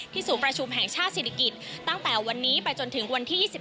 ศูนย์ประชุมแห่งชาติศิริกิจตั้งแต่วันนี้ไปจนถึงวันที่๒๑